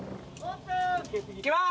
いきます。